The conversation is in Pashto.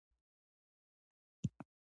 ویده خوب غږ نه خوښوي